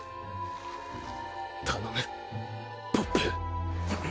頼むポップ。